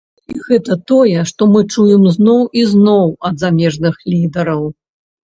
І гэта тое, што мы чуем зноў і зноў ад замежных лідараў.